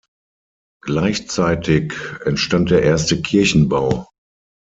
Gleichzeitig entstand der erste Kirchenbau.